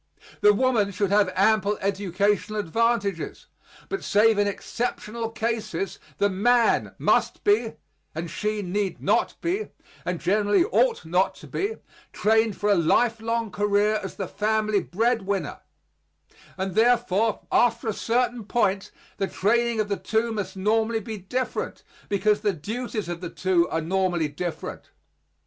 The woman should have ample educational advantages; but save in exceptional cases the man must be, and she need not be, and generally ought not to be, trained for a lifelong career as the family breadwinner; and, therefore, after a certain point, the training of the two must normally be different because the duties of the two are normally different.